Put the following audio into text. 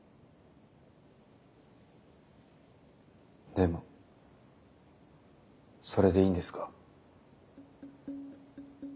でもそれでいいんですか？